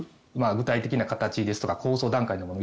具体的な形ですとか構想段階のもの